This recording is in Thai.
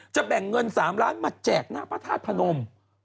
แบ่งเงิน๓ล้านมาแจกหน้าพระธาตุพนม